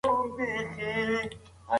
موږ باید د خپلو ونو خیال وساتو.